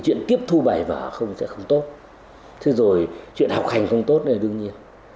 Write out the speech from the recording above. chuyện tiếp thu bài vở sẽ không tốt chuyện học hành không tốt đương nhiên